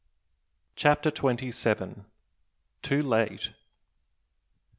CHAPTER TWENTY SEVEN. TOO LATE!